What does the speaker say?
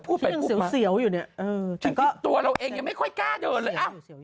พูดไปพูดมาตัวเราเองยังไม่ค่อยกล้าเดินเลย